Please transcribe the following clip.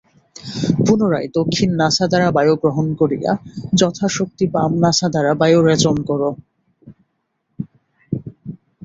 পুনরায় দক্ষিণ নাসা দ্বারা বায়ু গ্রহণ করিয়া যথাশক্তি বাম নাসা দ্বারা বায়ু রেচন কর।